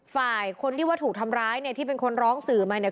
ฝ่ายคนที่ว่าถูกทำร้ายเนี่ยที่เป็นคนร้องสื่อมาเนี่ย